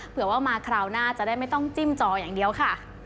เผื่อว่ามาคราวหน้าจะได้ไม่ต้องจิ้มจออย่างเดียวค่ะ